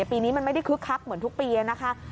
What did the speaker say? ปีนี้มันไม่ได้คึกคักเหมือนทุกปีนะคะ